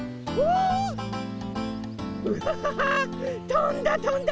とんだとんだ！